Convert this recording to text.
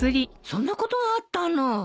そんなことがあったの。